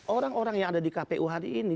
orang orang yang ada di kpu hari ini